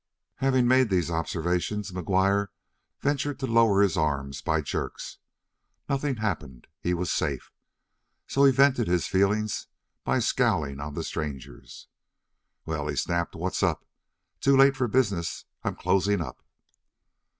Having made these observations, McGuire ventured to lower his arms by jerks; nothing happened; he was safe. So he vented his feelings by scowling on the strangers. "Well," he snapped, "what's up? Too late for business. I'm closin' up."